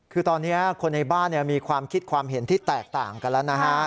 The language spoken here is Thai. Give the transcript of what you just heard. คือตอนนี้คนในบ้านมีความคิดความเห็นที่แตกต่างกันแล้วนะฮะ